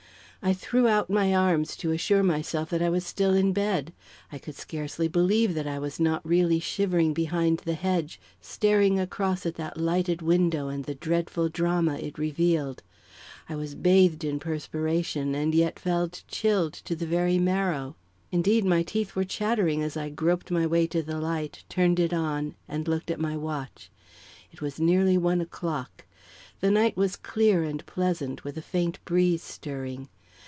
I threw out my arms to assure myself that I was still in bed; I could scarcely believe that I was not really shivering behind the hedge, staring across at that lighted window and the dreadful drama it revealed. I was bathed in perspiration and yet felt chilled to the very marrow. Indeed, my teeth were chattering as I groped my way to the light, turned it on, and looked at my watch. It was nearly one o'clock. The night was clear and pleasant, with a faint breeze stirring.